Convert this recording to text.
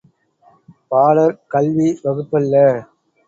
பாலர் கல்வி வகுப்பல்ல.